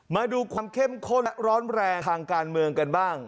มาดูความเข้มข้นและร้อนแรงทางการเมืองกันบ้าง